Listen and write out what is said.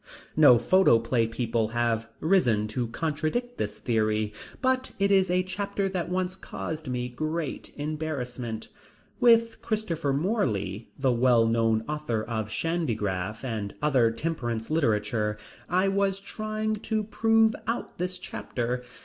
No photoplay people have risen to contradict this theory, but it is a chapter that once caused me great embarrassment. With Christopher Morley, the well known author of Shandygaff and other temperance literature, I was trying to prove out this chapter.